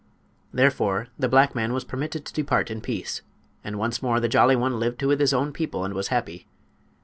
Therefore the black man was permitted to depart in peace, and once more the Jolly One lived with his own people and was happy.